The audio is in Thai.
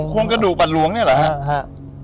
โครงกระดูกบาทหลวงนี่หรอ